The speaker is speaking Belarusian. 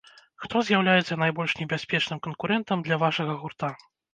Хто з'яўляецца найбольш небяспечным канкурэнтам для вашага гурта?